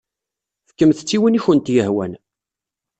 Fkemt-tt i win i kent-yehwan.